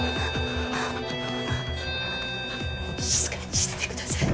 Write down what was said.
静かにしててください